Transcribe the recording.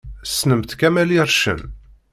Tessnemt Kamel Ircen?